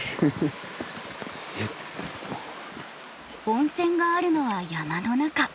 温泉があるのは山の中。